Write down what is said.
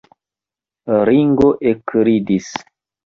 Ringo ekridis.